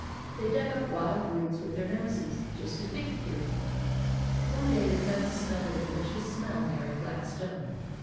They dug up wild roots with their noses, just as pigs do. One day the cubs smelled a delicious smell near a flat stone.